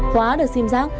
khóa được xim rác